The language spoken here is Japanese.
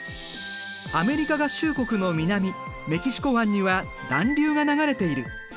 アメリカ合衆国の南メキシコ湾には暖流が流れている。